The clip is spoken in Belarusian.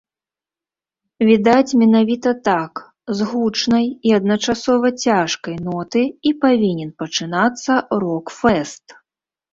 Відаць менавіта так, з гучнай і адначасова цяжкай ноты і павінен пачынацца рок-фэст.